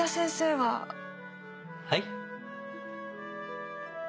はい？